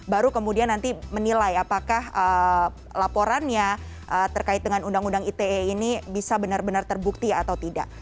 baru kemudian nanti menilai apakah laporannya terkait dengan undang undang ite ini bisa benar benar terbukti atau tidak